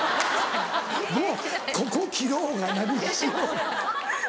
もうここ切ろうが何しようが。